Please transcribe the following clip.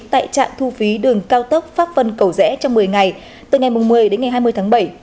tại trạm thu phí đường cao tốc pháp vân cầu rẽ trong một mươi ngày từ ngày một mươi đến ngày hai mươi tháng bảy